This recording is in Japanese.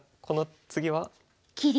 この次は？